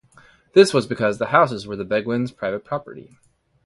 This was because the houses were the beguines' private property.